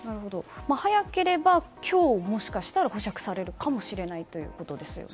早ければ今日もしかしたら保釈されるかもしれないということですよね。